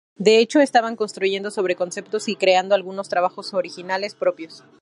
De hecho estaban construyendo sobre conceptos y creando algunos trabajos originales propios.